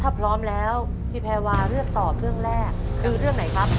ถ้าพร้อมแล้วพี่แพรวาเลือกตอบเรื่องแรกคือเรื่องไหนครับ